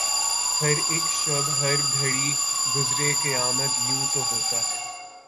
ہر اک شب ہر گھڑی گزرے قیامت یوں تو ہوتا ہے